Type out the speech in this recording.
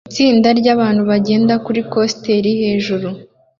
Itsinda ryabantu bagenda kuri coaster hejuru